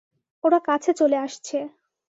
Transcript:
ওরা কাছে চলে আসছে।